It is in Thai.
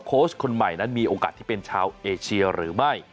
คนใหม่นั้นมีโอกาสที่เป็นชาวเอเชียหรือไม่